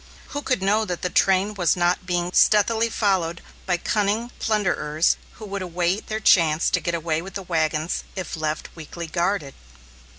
Who could know that the train was not being stealthily followed by cunning plunderers who would await their chance to get away with the wagons, if left weakly guarded?